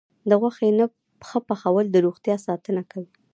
د غوښې ښه پخول د روغتیا ساتنه کوي.